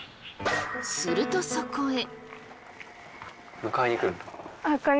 するとそこへ。